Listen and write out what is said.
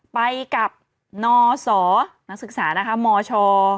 ไปกับนศนักศึกษานะคะมช